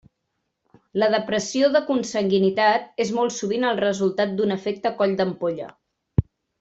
La depressió de consanguinitat és molt sovint el resultat d'un efecte coll d'ampolla.